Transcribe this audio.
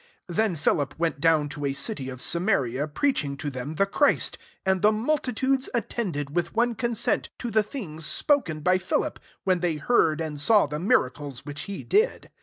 5 Then Philip went down to a city of Samaria, preaching to them the Christ. 6 And the multitudes attended, with one consent, to the things spokea by Philip, when they hoard and saw the miracles which be did.